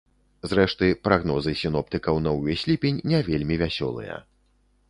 Зрэшты, прагнозы сіноптыкаў на ўвесь ліпень не вельмі вясёлыя.